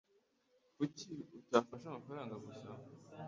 Kuki utafashe amafaranga gusa